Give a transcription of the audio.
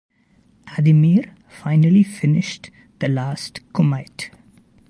Ademir finally finished the last kumite.